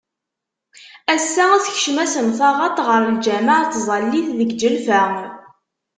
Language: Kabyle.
Assa tekcem-asen taɣaṭ ɣer lǧameɛ n tẓallit deg Ǧelfa.